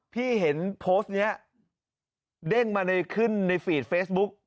พี่เห็นโพสต์นี้เด้งมาในขึ้นในฟีดเฟซบุ๊ก